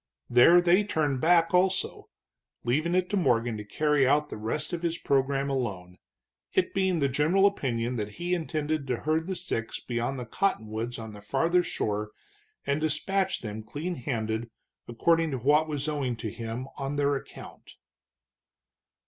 There they turned back, also, leaving it to Morgan to carry out the rest of his program alone, it being the general opinion that he intended to herd the six beyond the cottonwoods on the farther shore and despatch them clean handed, according to what was owing to him on their account.